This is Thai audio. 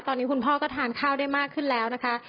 ตอนนี้คุณพ่อก็ทานข้าวได้มากขึ้นแล้วนะคะ